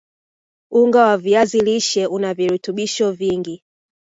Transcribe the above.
unga wa viazi lishe una virutubisho vingi